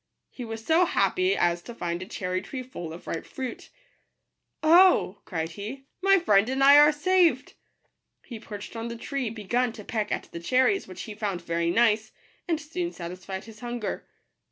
He was so happy as to find a cherry tree full of ripe fruit " Oh," cried he, " my friend and I are saved I" He perched on the tree, begun to peck at the cherries, which he found very nice, and soon satisfied his hunger.